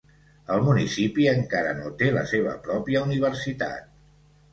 El municipi encara no té la seva pròpia universitat.